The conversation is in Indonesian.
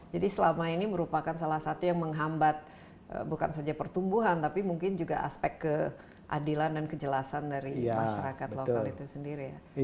jadi selama ini merupakan salah satu yang menghambat bukan saja pertumbuhan tapi mungkin juga aspek keadilan dan kejelasan dari masyarakat lokal itu sendiri